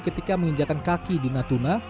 ketika menginjakan kaki di natuna